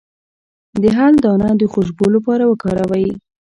د هل دانه د خوشبو لپاره وکاروئ